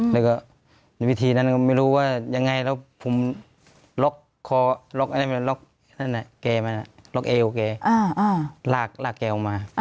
แล้วอย่างไรก็ไม่รู้ว่าดังไงแล้วผมล็อกเอลของแกลากแกออกมา